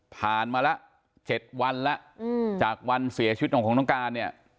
ผ่านมาล่ะเจ็ดวันล่ะอืมจากวันเสียชื่นของของน้องการเนี่ย